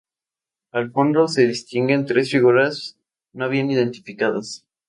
Al fondo se distinguen tres figuras no bien identificadas.